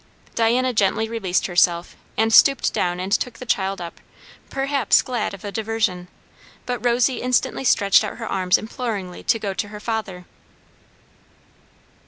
Diana gently released herself, and stooped down and took the child up, perhaps glad of a diversion; but Rosy instantly stretched out her arms imploringly to go to her father.